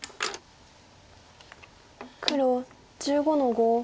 黒１５の五。